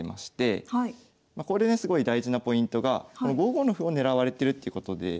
これですごい大事なポイントが５五の歩を狙われてるっていうことで。え。